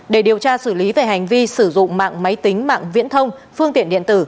để điều tra xử lý về hành vi sử dụng mạng máy tính mạng viễn thông phương tiện điện tử